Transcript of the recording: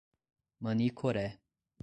Manicoré